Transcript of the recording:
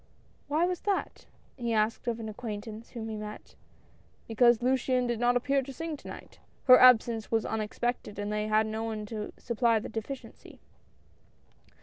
"Why was that?" he asked of an acquaintance, whom he met. " Because Luciane did not appear, to sing to night. Her absence was unexpected, and they had no one to supply the deficiency."